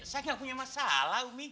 saya gak punya masalah umi